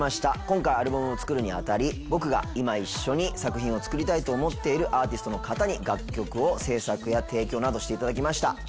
今回アルバムを作るに当たり今一緒に作品を作りたいと思っているアーティストの方に楽曲を制作や提供していただきました。